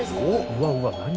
うわうわ何？